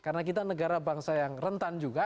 karena kita negara bangsa yang rentan juga